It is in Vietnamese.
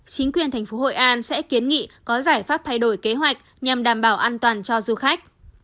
chính quyền thành phố hội an sẽ kiến nghị có giải pháp thay đổi kế hoạch nhằm đảm bảo an toàn cho du khách